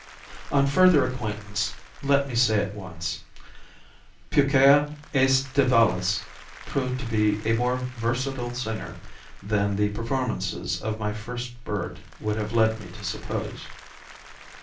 On further acquaintance, let me say at once, Pucaea aestivalis proved to be a more versatile singer than the performances of my first bird would have led me to suppose.